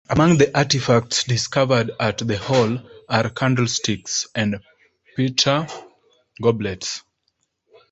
Among the artefacts discovered at the hall are candlesticks and pewter goblets.